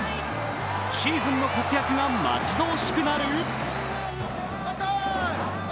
シーズンの活躍が待ち遠しくなる。